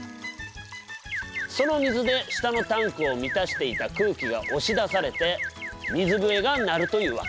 その水で下のタンクを満たしていた空気が押し出されて水笛が鳴るというわけ。